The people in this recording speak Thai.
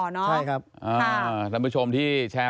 นั่นภาพนี้จริงเช่นันต่อเนอะ